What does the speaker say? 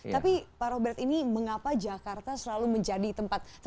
tapi pak robert ini mengapa jakarta selalu menjadi tempat